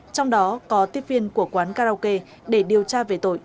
trong đó có tiếp viên của quán karaoke để điều tra về tội